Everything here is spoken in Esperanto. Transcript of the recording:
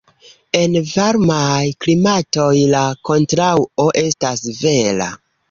En varmaj klimatoj, la kontraŭo estas vera.